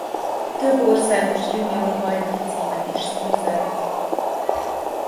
Több országos junior bajnoki címet is szerzett.